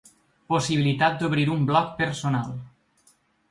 Possibilitat d’obrir un bloc personal.